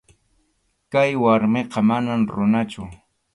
Kay warmiqa manam runachu.